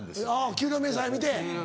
給料明細見て。